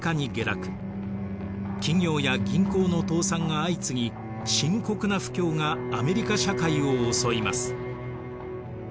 企業や銀行の倒産が相次ぎ深刻な不況がアメリカ社会を襲います。